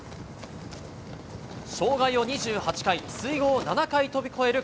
障害を２８回、水濠を７回飛び越える